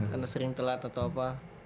karena sering telat atau apa